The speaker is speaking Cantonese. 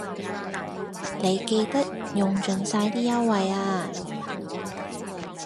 你記得用盡晒啲優惠呀